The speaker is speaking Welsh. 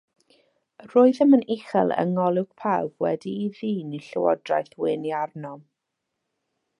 Yr oeddem yn uchel yng ngolwg pawb wedi i ddyn y llywodraeth wenu arnom.